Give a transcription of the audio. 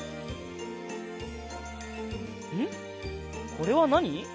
これはなに！？